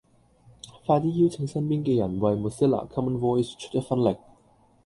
快啲邀請身邊嘅人為 Mozilla common voice 出一分力